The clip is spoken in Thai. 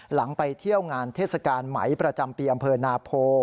ไปเที่ยวงานเทศกาลไหมประจำปีอำเภอนาโพ